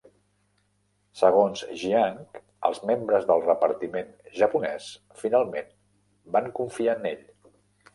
Segons Jiang, els membres del repartiment japonès, finalment, van confiar en ell.